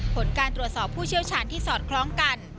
ผลการตรวจสอบผู้เชี่ยวชาญที่สอดคล้องกัน